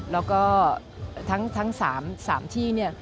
แล้วก็ทั้งสามที่